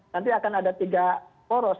nanti akan ada tiga poros